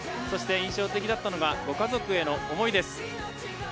そして印象的だったのがご家族への思いです。